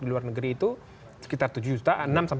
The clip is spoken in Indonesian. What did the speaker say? di luar negeri itu sekitar tujuh juta